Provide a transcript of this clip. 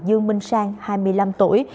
dương minh sang hai mươi năm tuổi